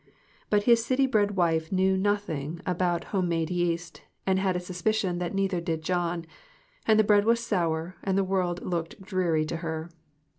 But his city bred wife knew nothing about 22 MIXED THINGS. home made yeast, and had a suspicion that neither did John, and the bread was sour, and the world looked dreary to her.